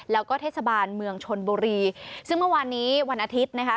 แล้วก็เทศบาลเมืองชนบุรีซึ่งเมื่อวานนี้วันอาทิตย์นะคะ